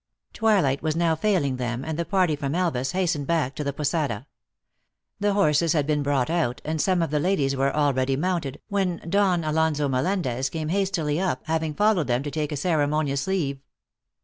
Twilight was now failing them, and the party from Elvas hastened back to the posada. The horses had been brought out, and some of the ladies were already mounted, when Don Alonso Melendez came hastily up, having followed them to take a ceremonious leave.